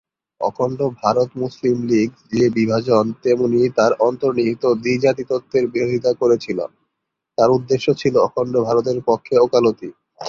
অখণ্ড ভারত মুসলিম লীগ যে বিভাজন তেমনি তার অন্তর্নিহিত দ্বি-জাতি তত্ত্বের বিরোধিতা করেছিল, তার উদ্দেশ্য ছিল অখণ্ড ভারতের পক্ষে ওকালতি।